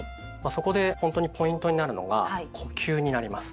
そこでほんとにポイントになるのが呼吸になります。